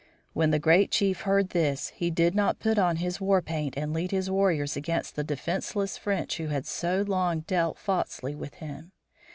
When the great chief heard this he did not put on his war paint and lead his warriors against the defenseless French who had so long dealt falsely with him.